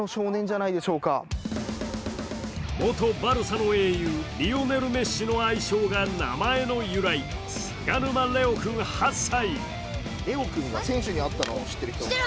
元バルサの英雄、リオネル・メッシの愛称が名前の由来、菅沼玲王君、８歳。